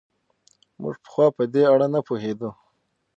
موږ پخوا په دې اړه نه پوهېدو.